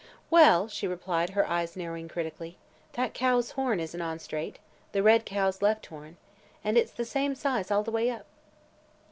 "Well," she replied, her eyes narrowing critically, "that cow's horn isn't on straight the red cow's left horn. And it's the same size, all the way up."